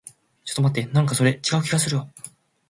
ちょっと待って。なんかそれ、違う気がするわ。